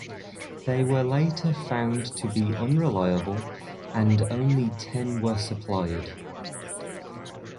They were later found to be unreliable, and only ten were supplied.